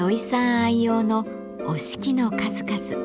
愛用の折敷の数々。